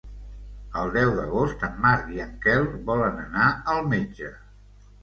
El deu d'agost en Marc i en Quel volen anar al metge.